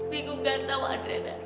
bingung gak tau adriana